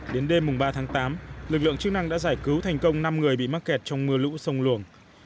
đến đêm ba tháng tám lực lượng chức năng đã giải cứu thành công năm người bị mắc kẹt trong mưa lũ sông luồng